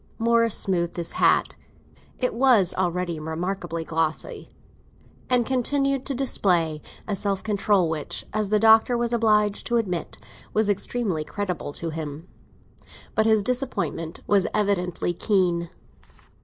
Morris smoothed his hat—it was already remarkably glossy—and continued to display a self control which, as the Doctor was obliged to admit, was extremely creditable to him. But his disappointment was evidently keen.